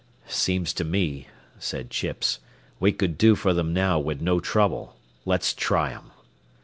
"Seems to me," said Chips, "we could do for them now wid no trouble. Let's try 'em."